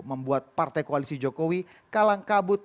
membuat partai koalisi jokowi kalang kabut